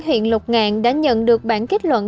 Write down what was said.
huyện lục ngàn đã nhận được bản kết luận